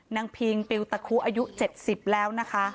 นางพีงปิวตะครูอายุเจ็ดสิบแล้วนะคะ